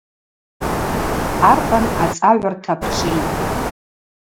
Аркъан ацӏагӏвырта пчӏвитӏ.